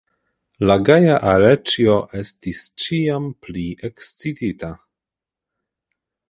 La gaja Aleĉjo estis ĉiam pli ekscitita.